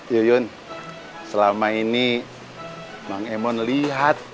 yuyun selama ini bang emon lihat